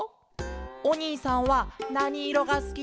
「おにいさんはなにいろがすきですか？